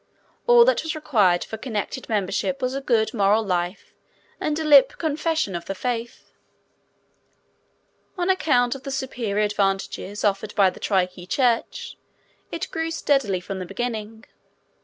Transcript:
All that was required for connected membership was a good moral life and a lip confession of the faith. On account of the superior advantages offered by the Trique church it grew steadily from the beginning.